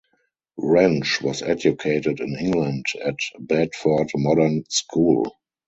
Wrench was educated in England at Bedford Modern School.